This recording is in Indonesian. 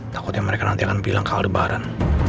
takutnya mereka nanti akan bilang ke aldebaran